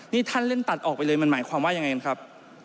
นี่ท่านเล่นตัดออกไปเลยมันหมายความว่ายังไงกันครับ